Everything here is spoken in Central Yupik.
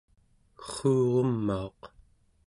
rruurumauq